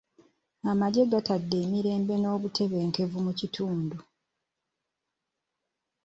Amagye gaatadde emirembe n'obutebenkevu mu kitundu.